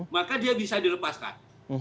maka dia bisa dilepaskan